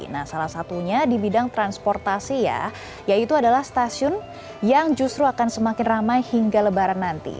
nah salah satunya di bidang transportasi ya yaitu adalah stasiun yang justru akan semakin ramai hingga lebaran nanti